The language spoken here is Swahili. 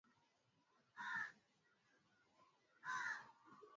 zilizonaswa ambazo ni bunduki aina ya AK arobaini na saba na mamia ya risasi